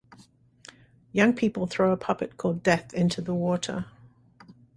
Young people throw a puppet called Death into the water.